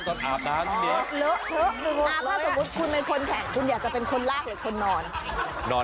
ตอนล้างแต่อาบนาน